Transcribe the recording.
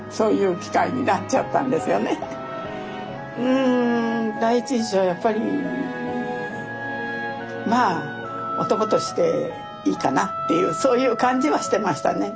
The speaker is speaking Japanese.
うん第一印象はやっぱりまあ男としていいかなっていうそういう感じはしてましたね。